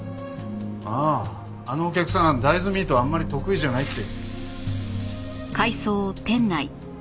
あああのお客さん大豆ミートはあんまり得意じゃないって。